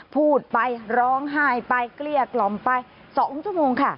พูดไปร้องไห้ไปเกลี้ยกล่อมไป๒ชั่วโมงค่ะ